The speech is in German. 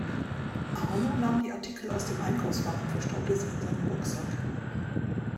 Arno nahm die Artikel aus dem Einkaufswagen und verstaute sie in seinem Rucksack.